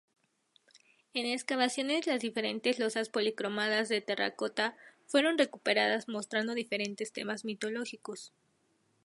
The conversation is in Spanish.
En excavaciones las diferentes losas policromadas de terracota fueron recuperadas mostrando diferentes temas mitológicos.